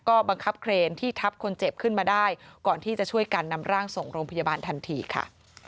ก็บังคับเครนที่ทับคนเจ็บขึ้นมาได้ก่อนที่จะช่วยกันนำร่างส่งโรงพยาบาลทันทีค่ะ